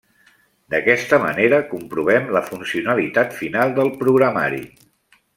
D’aquesta manera comprovem la funcionalitat final del programari.